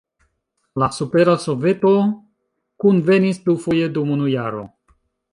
La Supera Soveto kunvenis dufoje dum unu jaro.